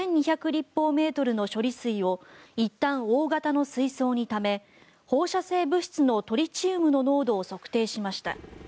立方メートルの処理水をいったん大型の水槽にため放射性物質のトリチウムの濃度を測定しました。